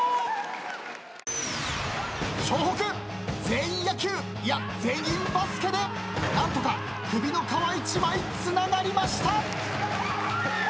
北全員野球いや全員バスケで何とか首の皮一枚つながりました。